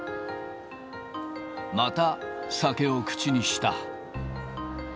また酒を口にした。